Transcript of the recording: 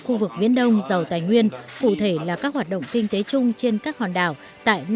khu vực biển đông giàu tài nguyên cụ thể là các hoạt động kinh tế chung trên các hòn đảo tại